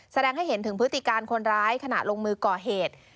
แสดงให้เห็นถึงพฤติการคนร้ายขณะลงมือก่อเหตุ